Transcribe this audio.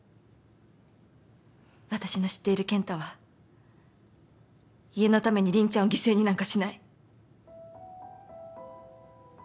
私の知っている健太は家のために凛ちゃんを犠牲になんかしない。